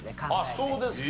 そうですか。